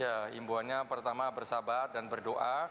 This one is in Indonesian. ya imbuannya pertama bersabar dan berdoa